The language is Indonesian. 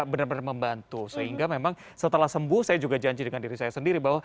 benar benar membantu sehingga memang setelah sembuh saya juga janji dengan diri saya sendiri bahwa